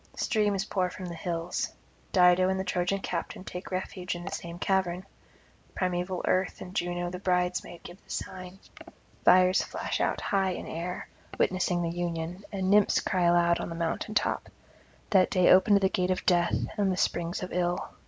Streams pour from the hills. Dido and the Trojan captain take refuge in the same cavern. Primeval Earth and Juno the bridesmaid give the sign; fires flash out high in air, witnessing the union, and Nymphs cry aloud on the mountain top. That day opened the gate of death and the springs of ill.